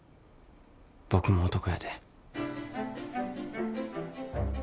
僕も男やで。